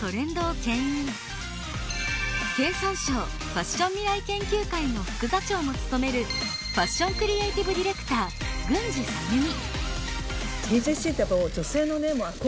経産省ファッション未来研究会の副座長も務めるファッション・クリエイティブ・ディレクター軍地彩弓。